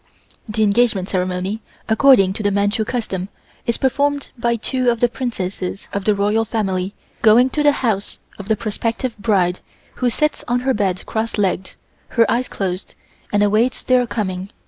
The engagement ceremony, according to the Manchu custom, is performed by two of the Princesses of the Royal family going to the house of the prospective bride, who sits on her bed cross legged, her eyes closed and awaits their coming.